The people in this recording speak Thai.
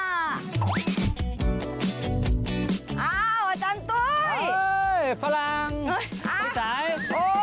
อ้าวอาจารย์ตุ๊ยฝรั่งพี่สายโอ๊ย